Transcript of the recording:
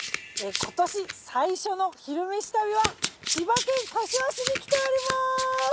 今年最初の「昼めし旅」は千葉県柏市に来ております。